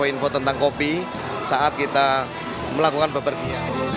jadi kita bisa tahu tentang kopi saat kita melakukan beberapa pergian